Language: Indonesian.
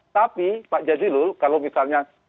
tapi pak jazilul kalau misalnya